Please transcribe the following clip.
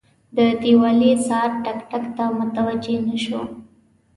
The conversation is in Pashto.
د دیوالي ساعت ټک، ټک ته متوجه نه شو.